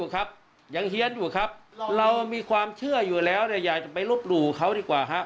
ครับยังเฮียนอยู่ครับเรามีความเชื่ออยู่แล้วเนี่ยอยากจะไปลบหลู่เขาดีกว่าฮะ